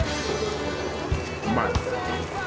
うまい。